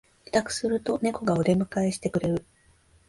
帰宅するとネコがお出迎えしてくれる